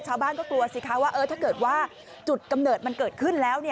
ชาวบ้านก็กลัวสิคะว่าถ้าเกิดว่าจุดกำเนิดมันเกิดขึ้นแล้ว